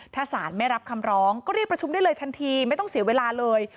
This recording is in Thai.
ถ้าสารไม่รับคำร้องก็เรียกประชุมได้เลยทันทีไม่ต้องเสียเวลาเลย